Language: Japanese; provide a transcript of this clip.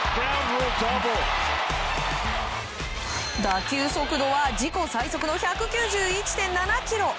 打球速度は自己最速の１９１．７キロ。